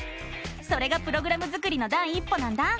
それがプログラム作りの第一歩なんだ！